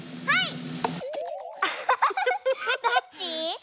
はい！